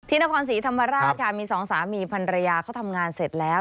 นครศรีธรรมราชค่ะมีสองสามีพันรยาเขาทำงานเสร็จแล้ว